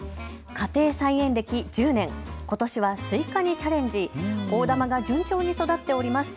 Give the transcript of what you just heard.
家庭菜園歴１０年、ことしはスイカにチャレンジ、大玉が順調に育っております。